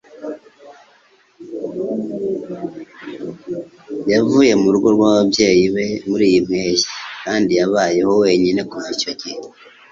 yavuye mu rugo rwababyeyi be muriyi mpeshyi kandi yabayeho wenyine kuva icyo gihe